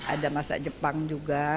ada masak jepang juga